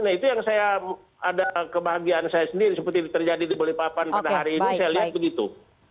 nah itu yang saya ada kebahagiaan saya sendiri seperti terjadi di balikpapan pada hari ini saya lihat begitu